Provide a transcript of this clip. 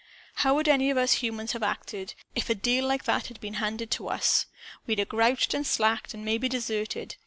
"How would any of us humans have acted, if a deal like that had been handed to us? We'd 'a' grouched and slacked and maybe deserted.